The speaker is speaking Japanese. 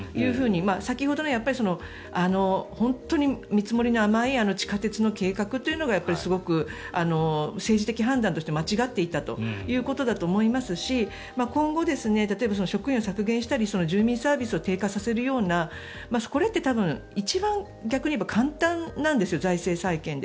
先ほどの本当に見積もりの甘い地下鉄の計画というのがやっぱりすごく政治的判断として間違っていたということだと思いますし今後、例えば職員を削減したり住民サービスを低下させるようなこれって逆に言えば一番簡単なんですよ財政再建で。